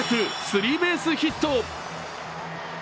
スリーベースヒット。